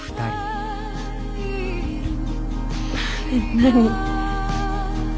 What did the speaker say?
何？